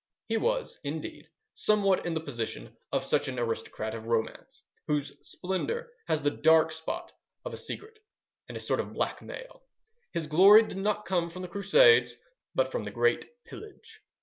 He was, indeed, somewhat in the position of such an aristocrat of romance, whose splendour has the dark spot of a secret and a sort of blackmail.... His glory did not come from the Crusades, but from the Great Pillage....